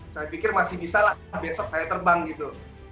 saya pikir masih bisa lah besok saya terbang gitu